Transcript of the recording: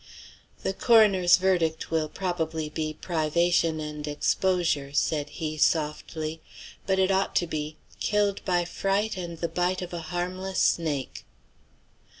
"The coroner's verdict will probably be 'privation and exposure,'" said he softly; "but it ought to be, 'killed by fright and the bite of a harmless snake.'"